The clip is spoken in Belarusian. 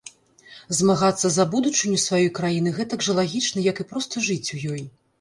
Змагацца за будучыню сваёй краіны гэтак жа лагічна, як і проста жыць у ёй.